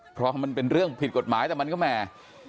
เพราะมันเป็นเรื่องผิดกฎหมายแต่มันก็แหม